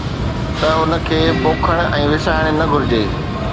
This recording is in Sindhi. ته ان کي پوکڻ ۽ وسائڻ نه گهرجي